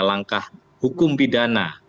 langkah hukum pidana